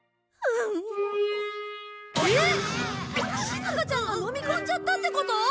しずかちゃんが飲み込んじゃったってこと？